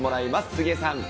杉江さん。